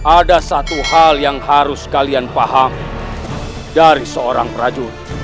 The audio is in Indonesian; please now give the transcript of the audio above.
ada satu hal yang harus kalian paham dari seorang prajurit